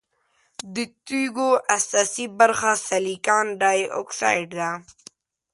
د تیږو اساسي برخه سلیکان ډای اکسايډ ده.